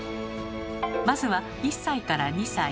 まずは１歳から２歳。